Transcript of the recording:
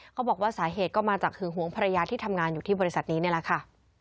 เขาบอกว่าสาเหตุก็มาจากหึงหวงภรรยาที่ทำงานอยู่ที่บริษัทนี้นี่แหละค่ะ